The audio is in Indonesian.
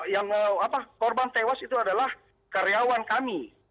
yang korban tewas itu adalah karyawan kami